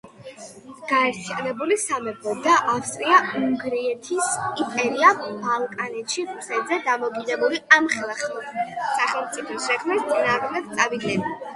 გაერთიანებული სამეფო და ავსტრია-უნგრეთის იმპერია ბალკანეთში რუსეთზე დამოკიდებული ამხელა სახელმწიფოს შექმნის წინააღმდეგ წავიდნენ.